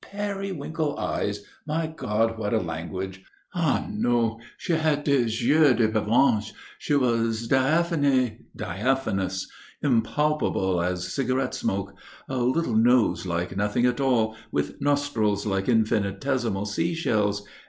"Periwinkle eyes! My God, what a language! Ah, no! She had des yeux de pervenche.... She was diaphane, diaphanous ... impalpable as cigarette smoke ... a little nose like nothing at all, with nostrils like infinitesimal sea shells.